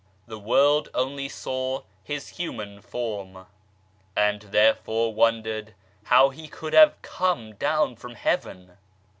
The world only saw His human form, and therefore wondered how He could have " come down from Heaven."